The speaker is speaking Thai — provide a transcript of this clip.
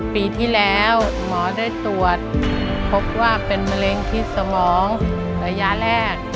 ปีที่แล้วหมอได้ตรวจพบว่าเป็นมะเร็งที่สมองระยะแรก